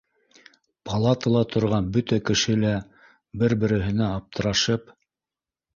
Палатала торған бөтә кеше лә бер-береһенә аптырашып